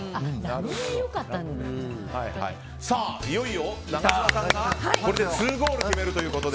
いよいよ永島さんが２ゴール決めるということで。